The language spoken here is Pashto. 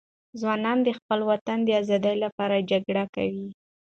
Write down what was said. ځوانان د خپل وطن د آزادۍ لپاره جګړه کوي.